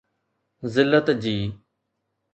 ذلت جي ".